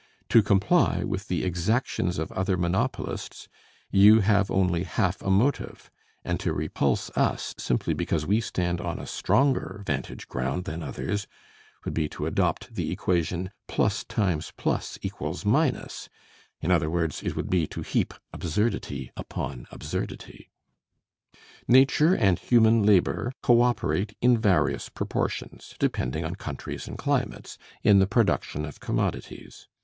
To comply with the exactions of other monopolists, you have only half a motive; and to repulse us simply because we stand on a stronger vantage ground than others would be to adopt the equation, +X+= ; in other words, it would be to heap absurdity upon absurdity. Nature and human labor co operate in various proportions (depending on countries and climates) in the production of commodities.